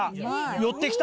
寄ってきた！